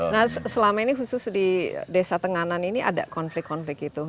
nah selama ini khusus di desa tenganan ini ada konflik konflik itu